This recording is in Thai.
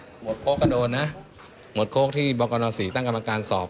หมดโค้กก็โดนนะหมดโค้กที่บกน๔ตั้งกรรมการสอบ